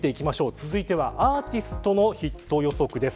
続いてはアーティストのヒット予測です。